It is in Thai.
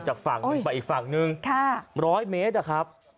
จากฝั่งไปอีกฝั่งหนึ่งร้อยเมตรอะครับ